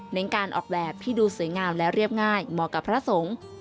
การออกแบบที่ดูสวยงามและเรียบง่ายเหมาะกับพระสงฆ์